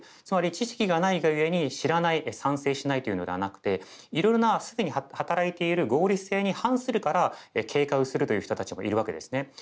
つまり知識がないがゆえに知らない賛成しないというのではなくていろいろな既に働いている合理性に反するから警戒をするという人たちもいるわけですね。